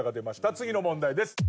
次の問題です。